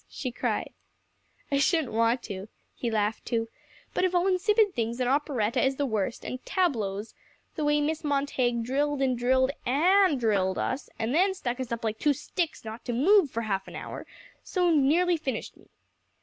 she cried. "I shouldn't want to," he laughed too; "but of all insipid things, an operetta is the worst; and tableaux the way Miss Montague drilled and drilled and drilled us, and then stuck us up like sticks not to move for a half hour or so, nearly finished me."